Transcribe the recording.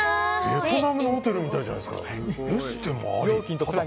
ベトナムのホテルみたいじゃないですか。